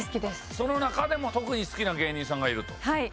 その中でも特に好きな芸人さんがいると。